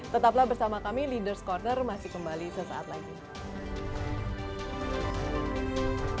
tetaplah bersama kami leaders' corner masih kembali sesaat lagi